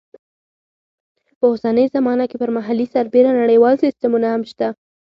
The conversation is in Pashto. په اوسنۍ زمانه کې پر محلي سربېره نړیوال سیسټمونه هم شته.